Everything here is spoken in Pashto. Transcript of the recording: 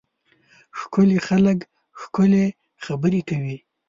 ښکلي خلک ښکلې خبرې کوي.